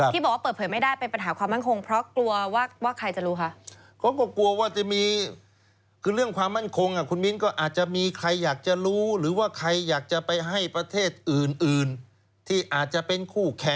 ที่บอกว่าเปิดเผยไม่ได้เป็นปัญหาความมั่นคงเพราะกลัวว่าใครจะรู้คะ